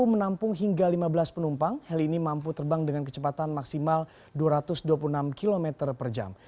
menampung hingga lima belas penumpang heli ini mampu terbang dengan kecepatan maksimal dua ratus dua puluh enam km per jam